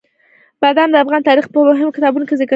بادام د افغان تاریخ په مهمو کتابونو کې ذکر شوي دي.